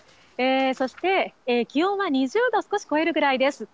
そして気温は２０度を少し超えるぐらいです。